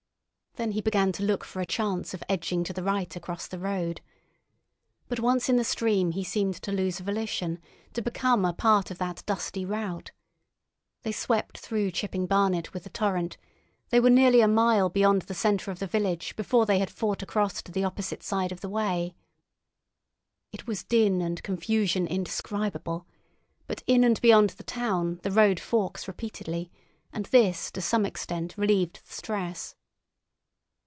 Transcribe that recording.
Then he began to look out for a chance of edging to the right across the road. But once in the stream he seemed to lose volition, to become a part of that dusty rout. They swept through Chipping Barnet with the torrent; they were nearly a mile beyond the centre of the town before they had fought across to the opposite side of the way. It was din and confusion indescribable; but in and beyond the town the road forks repeatedly, and this to some extent relieved the stress.